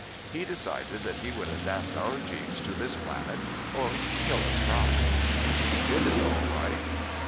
He decided that he would adapt our genes to this planet or kill us trying. He did it all right.'"